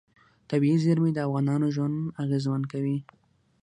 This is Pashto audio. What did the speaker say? طبیعي زیرمې د افغانانو ژوند اغېزمن کوي.